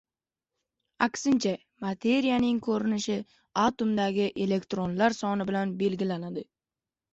—— Aksincha! Materiyaning ko‘rinishi atomdagi elektronlar soni bilan belgilanadi.